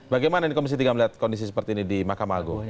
bagaimana ini komisi tiga melihat kondisi seperti ini di mahkamah agung